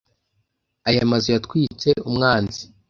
Aya mazu yatwitse umwanzi.